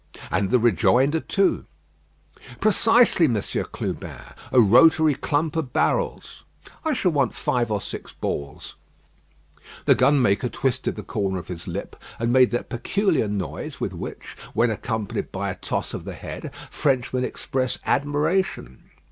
"And the rejoinder too." "Precisely, Monsieur Clubin. A rotatory clump of barrels." "I shall want five or six balls." The gunmaker twisted the corner of his lip, and made that peculiar noise with which, when accompanied by a toss of the head, Frenchmen express admiration.